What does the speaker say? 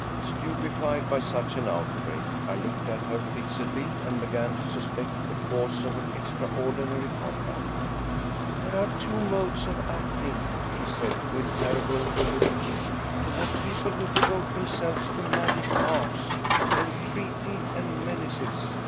• Stupefied by such an outbreak, I looked at her fixedly, and began to suspect the cause of her extraordinary con duct. 212 Af • Robert'Houdin " There are two modes of acting," she said, with terrible volubility, " toward people who devote themselves to magic arts— entreaty and menaces.